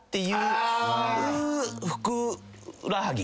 ふくらはぎ。